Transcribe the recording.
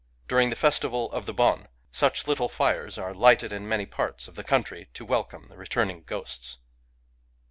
During the festival of the Bon such little fires are lighted in many parts of the coontiy to welcome the returning ghosts.